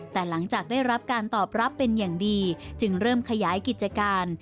แต่หลังจากได้รับการตอบรับเป็นอย่างดีจึงเริ่มขยายกิจการ